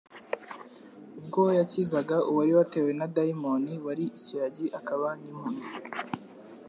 ubwo yakizaga uwari watewe na dayimoni wari ikiragi akaba n'impumyi;